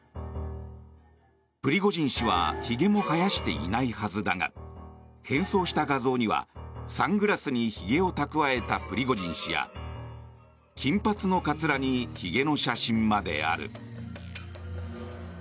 プリゴジン氏はひげも生やしていないはずだが変装した画像には、サングラスにひげを蓄えたプリゴジン氏や金髪のかつらにひげの写真まである。